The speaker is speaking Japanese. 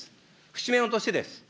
節目の年です。